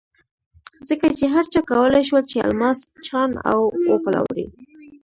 ځکه چې هر چا کولای شول چې الماس چاڼ او وپلوري.